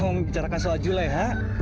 ada apa sih ini peh